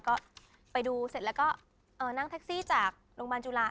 ก็ไปดูเสร็จแล้วก็นั่งแท็กซี่จากโรงพยาบาลจุฬา